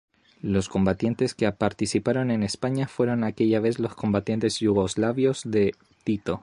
Los combatientes que participaron en España fueron aquella vez los combatientes yugoslavos de Tito.